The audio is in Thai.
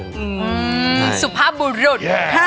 อืมสุภาพบุรุษ